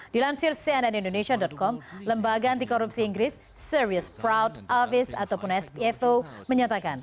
dilansir cnnindonesia com lembaga anti korupsi inggris serious proud office ataupun spfo menyatakan